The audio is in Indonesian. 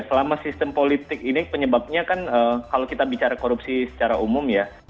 selama sistem politik ini penyebabnya kan kalau kita bicara korupsi secara umum ya